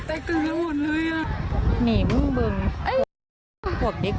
แตกกันกันหมดเลยอ่ะนี่มึงเบิ้งไอไอหัวเบิ้ง